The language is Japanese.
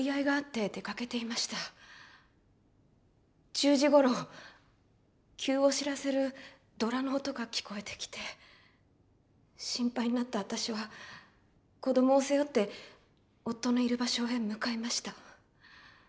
１０時ごろ急を知らせる銅鑼の音が聞こえてきて心配になった私は子供を背負って夫のいる場所へ向かいました。